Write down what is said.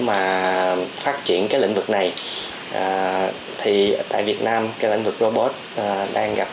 gặp nhiều lĩnh vực này tại việt nam lĩnh vực robot đang gặp nhiều lĩnh vực này tại việt nam lĩnh vực robot đang gặp